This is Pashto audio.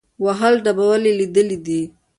وهل ډبول یې لیدلي دي.